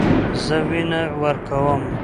زه وینه ورکوم.